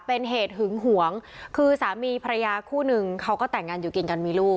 เป็นเหตุหึงหวงคือสามีภรรยาคู่นึงเขาก็แต่งงานอยู่กินกันมีลูก